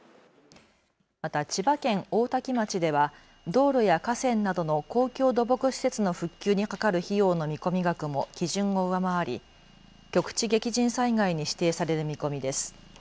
また千葉県大多喜町では道路や河川などの公共土木施設の復旧にかかる費用の見込額も基準を上回り局地激甚災害に指定される見込みです。